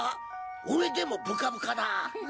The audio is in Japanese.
俺でもブカブカだ。